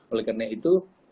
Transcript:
oleh karena itu